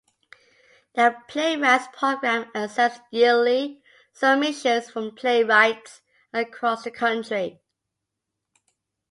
The "Playwrights" program accepts yearly submissions from playwrights across the country.